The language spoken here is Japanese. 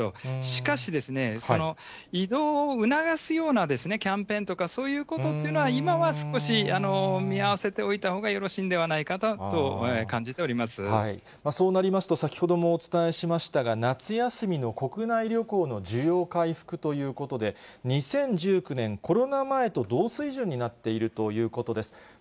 しかし、移動を促すようなキャンペーンとか、そういうことというのは、今は少し見合わせておいたほうがよろしいんではないかなと感じてそうなりますと、先ほどもお伝えしましたが、夏休みの国内旅行の需要回復ということで、２０１９年、コロナ前と同水準になっているということです。